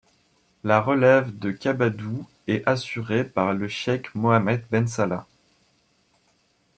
La relève de Kabadou est assurée par le cheikh Mohamed Ben Salah.